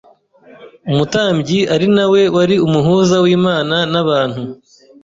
umutambyi ari na we wari umuhuza w’Imana n’abantu.